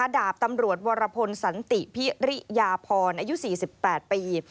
ดาบตำรวจวรพลสันติพิริยาพรอายุ๔๘ปี